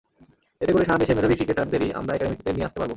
এতে করে সারা দেশের মেধাবী ক্রিকেটারদেরই আমরা একাডেমিতে নিয়ে আসতে পারব।